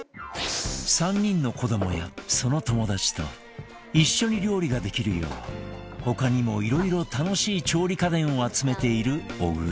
３人の子どもやその友達と一緒に料理ができるよう他にもいろいろ楽しい調理家電を集めている小倉